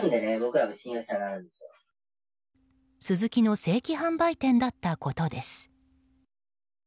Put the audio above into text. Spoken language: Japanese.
スズキの正規販売店だったことです。